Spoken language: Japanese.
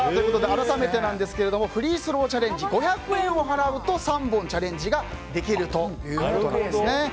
改めてなんですがフリースローチャレンジ５００円を払うと３本チャレンジできるということです。